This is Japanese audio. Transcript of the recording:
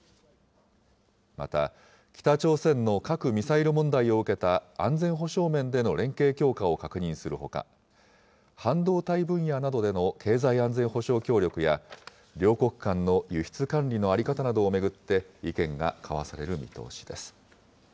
また北朝鮮の核・ミサイル問題を受けた安全保障面での連携強化を確認するほか、半導体分野などでの経済安全保障協力や、両国間の輸出管理の在り方などを巡って、意見が交わされる見通しです。